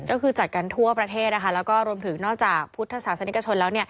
ก็คือจัดกันทั่วประเทศแล้วก็รวมถึงนอกจากพุทธศาสนิกชนแล้ว